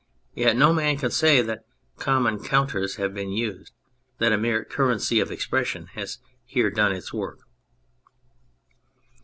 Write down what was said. Yet no man can say that common counters have been used, that a mere currency of expression has here done its work.